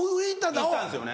行ったんですよね